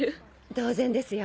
当然ですよ